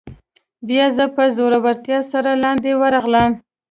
بیا زه په زړورتیا سره لاندې ورغلم.